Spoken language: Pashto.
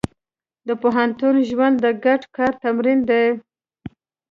د پوهنتون ژوند د ګډ کار تمرین دی.